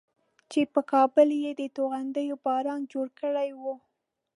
چې پر کابل یې د توغندیو باران جوړ کړی و.